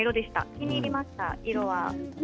気に入りました。